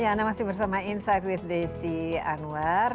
ya anda masih bersama insight with desi anwar